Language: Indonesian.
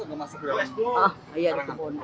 kembali itu tidak masuk ke bawah